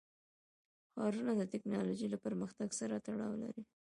ښارونه د تکنالوژۍ له پرمختګ سره تړاو لري.